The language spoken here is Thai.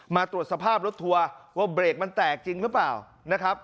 มาตรวจสภาพรถทัวร์ว่าเบรกมันแตกจริงหรือเปล่านะครับ